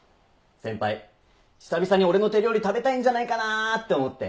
先輩久々に俺の手料理食べたいんじゃないかなって思って。